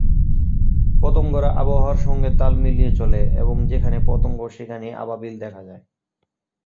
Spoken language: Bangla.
পতঙ্গরা আবহাওয়ার সঙ্গে তাল মিলিয়ে চলে এবং যেখানে পতঙ্গ সেখানেই আবাবিল দেখা যায়।